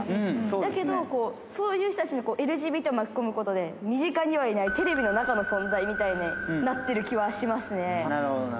だけど、そういう人たちの、ＬＧＢＴを巻き込むことで、身近にはいないテレビの中の存在なるほど、なるほど。